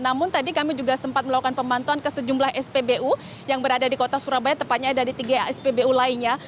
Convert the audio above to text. namun tadi kami juga sempat melakukan pemantauan ke sejumlah spbu yang berada di kota surabaya tepatnya dari tiga spbu lainnya